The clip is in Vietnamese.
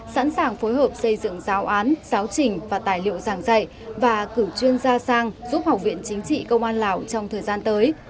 sẵn sàng phối hợp xây dựng giáo án giáo trình và tài liệu giảng dạy và cử chuyên gia sang giúp học viện chính trị công an lào trong thời gian tới